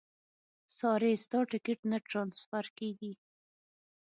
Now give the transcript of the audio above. ساري ستا ټیکټ نه ټرانسفر کېږي.